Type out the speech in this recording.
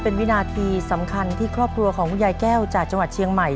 เป็นวินาทีสำคัญที่ครอบครัวของคุณยายแก้วจากจังหวัดเชียงใหม่